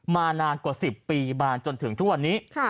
นานกว่า๑๐ปีมาจนถึงทุกวันนี้